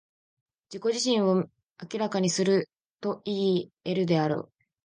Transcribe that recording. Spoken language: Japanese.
自己自身を明にするといい得るであろう。